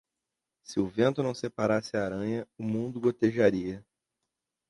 Se o vento não separasse a aranha, o mundo gotejaria.